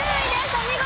お見事！